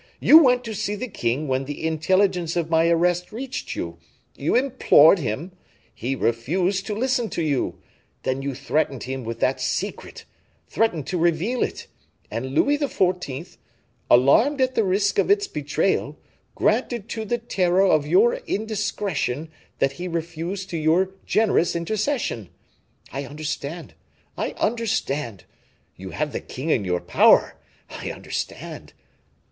You went to see the king when the intelligence of my arrest reached you; you implored him, he refused to listen to you; then you threatened him with that secret, threatened to reveal it, and Louis XIV., alarmed at the risk of its betrayal, granted to the terror of your indiscretion what he refused to your generous intercession. I understand, I understand; you have the king in your power; I understand."